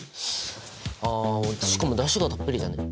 あしかもだしがたっぷりだね。